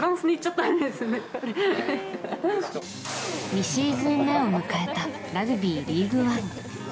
２シーズン目を迎えたラグビー、リーグワン。